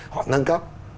họ nâng cấp